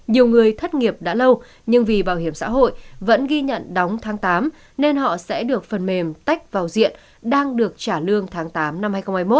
nhiều người thất nghiệp đã lâu nhưng vì bảo hiểm xã hội vẫn ghi nhận đóng tháng tám nên họ sẽ được phần mềm tách vào diện đang được trả lương tháng tám năm hai nghìn hai mươi một